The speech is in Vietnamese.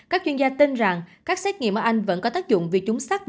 các chuyên gia tin rằng các xét nghiệm ở anh vẫn có tác dụng vì chúng sát